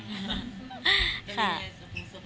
แต่มีสังหรับสบายอะไรให้กันไหมครับ